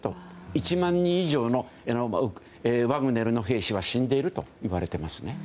１万人以上、ワグネルの兵士は死んでいるといわれています。